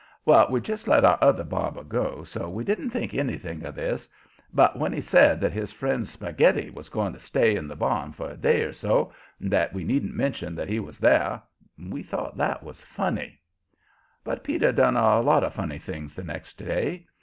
Well, we'd just let our other barber go, so we didn't think anything of this, but when he said that his friend Spaghetti was going to stay in the barn for a day or so, and that we needn't mention that he was there, we thought that was funny. But Peter done a lot of funny things the next day.